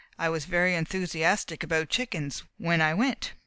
I was very enthusiastic about chickens when I went.